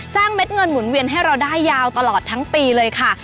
เม็ดเงินหมุนเวียนให้เราได้ยาวตลอดทั้งปีเลยค่ะ